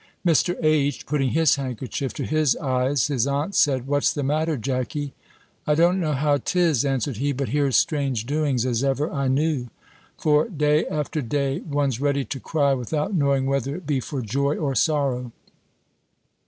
Mr. H. putting his handkerchief to his eyes, his aunt said, "What's the matter, Jackey?" "I don't know how 'tis," answered he; "but here's strange doings, as ever I knew For, day after day, one's ready to cry, without knowing whether it be for joy or sorrow!